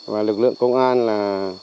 và lực lượng công an là